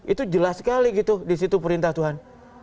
itu jelas sekali gitu disitu perintah tuhan